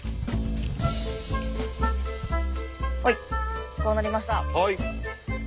はいこうなりました。